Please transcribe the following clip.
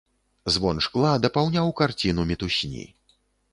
Звон шкла дапаўняў карціну мітусні.